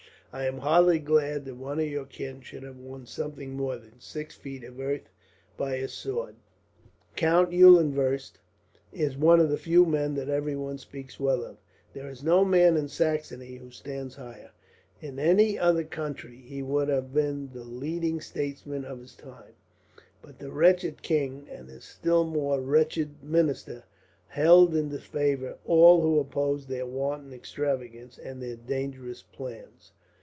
I am heartily glad that one of our kin should have won something more than six feet of earth by his sword. "Count Eulenfurst is one of the few men everyone speaks well of. There is no man in Saxony who stands higher. In any other country he would have been the leading statesman of his time, but the wretched king, and his still more wretched minister, held in disfavour all who opposed their wanton extravagance and their dangerous plans.